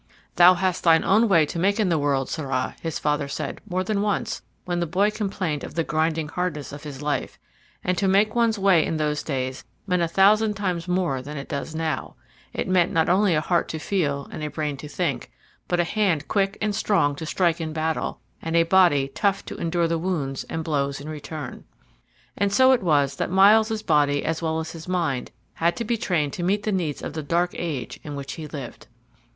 "Thou hast thine own way to make in the world, sirrah," his father said more than once when the boy complained of the grinding hardness of his life, and to make one's way in those days meant a thousand times more than it does now; it meant not only a heart to feel and a brain to think, but a hand quick and strong to strike in battle, and a body tough to endure the wounds and blows in return. And so it was that Myles's body as well as his mind had to be trained to meet the needs of the dark age in which he lived.